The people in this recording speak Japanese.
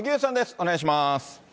お願いします。